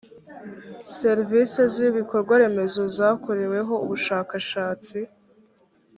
serivisi z ibikorwaremezo zakoreweho ubushakashatsi